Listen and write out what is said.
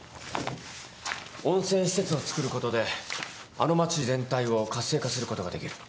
温泉施設をつくることであの町全体を活性化することができる。